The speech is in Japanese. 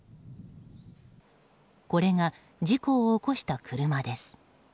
これが事故を起こした車です。